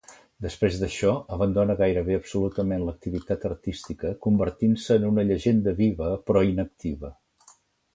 Després d'això, abandona gairebé absolutament l'activitat artística, convertint-se en una llegenda viva però inactiva.